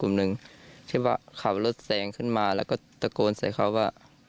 หนึ่งที่ว่าขับรถแสงขึ้นมาแล้วก็ตะโกนใส่เขาว่า